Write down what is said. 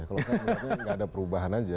kalau saya melihatnya tidak ada perubahan saja